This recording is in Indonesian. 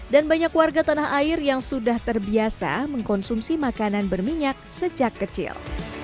dan banyak warga tanah air yang sudah terbiasa mengkonsumsi makanan berminyak sejak kecil